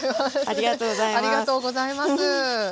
ありがとうございます。